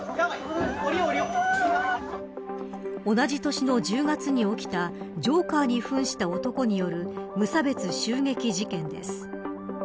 同じ年の１０月に起きたジョーカーに扮した男による無差別襲撃事件です。